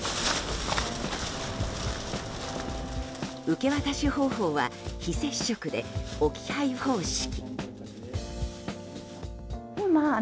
受け渡し方法は非接触で置き配方式。